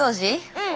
うん。